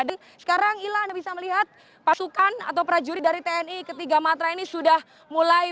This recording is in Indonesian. dan sekarang ila bisa melihat pasukan atau prajurit dari tni ketiga matra ini sudah mulai